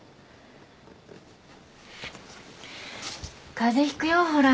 風邪ひくよほら。